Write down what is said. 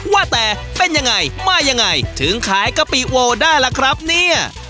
ว่าแต่เป็นยังไงมายังไงถึงขายกะปิโวได้ล่ะครับเนี่ย